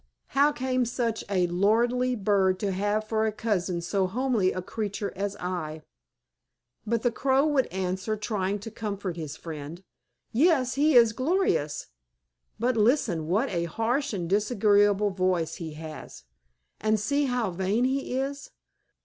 How came such a lordly bird to have for a cousin so homely a creature as I?" But the Crow would answer, trying to comfort his friend, "Yes, he is gorgeous. But listen, what a harsh and disagreeable voice he has! And see how vain he is.